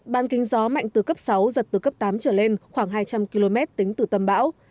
ban kính gió mạnh từ cấp sáu giật từ cấp tám trở lên khoảng hai trăm linh km tính từ tâm bão